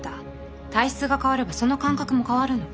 体質が変わればその感覚も変わるの。